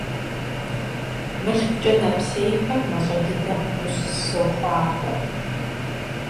Mılhkuç'e nepsêyxer maş'e dıde xhunu soxhuaxhue!